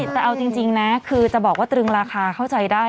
แต่เอาจริงนะคือจะบอกว่าตรึงราคาเข้าใจได้